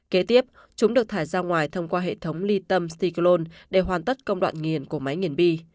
kế tiếp chúng được thải ra ngoài thông qua hệ thống ly tâm styclon để hoàn tất công đoạn nghiền của máy nghiền bi